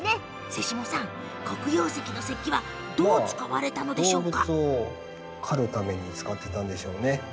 瀬下さん、黒曜石の石器はどう使われてたんですか？